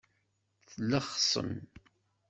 Tlexsem.